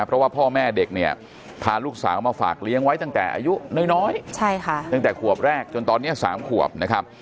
เพราะว่าพ่อแม่เด็กเนี่ยพาลูกสาวมาฝากเลี้ยงไว้ตั้งแต่อายุน้อยตั้งแต่ขวบแรกจนตอนนี้๓ขวบนะครับ